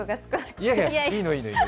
いやいや、いいのいいの。